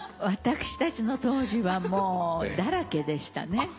私たちの当時はもうだらけでしたね。